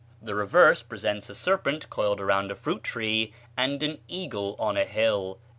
The reverse presents a serpent coiled around a fruit tree, and an eagle on a hill."